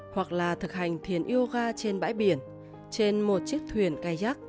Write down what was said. hoặc là thực hành thiền yoga trên bãi biển trên một chiếc thuyền kayak